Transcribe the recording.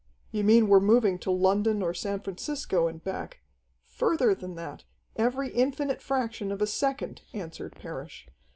"You mean we're moving to London or San Francisco and back " "Further than that, every infinite fraction of a second," answered Parrish.